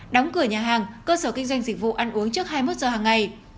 đóng cửa nhà hàng cơ sở kinh doanh dịch vụ ăn uống trước hai mươi một giờ hàng ngày